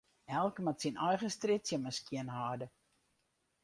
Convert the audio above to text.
Elk moat syn eigen strjitsje mar skjinhâlde.